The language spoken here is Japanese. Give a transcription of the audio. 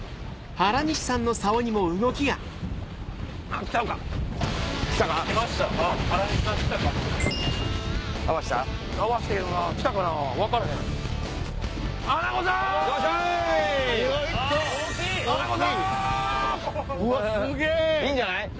長いんじゃない？